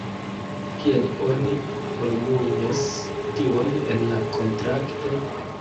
Kiel oni formulos tion en la kontrakto?